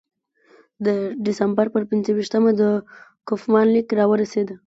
د ډسامبر پر پنځه ویشتمه د کوفمان لیک راورسېد.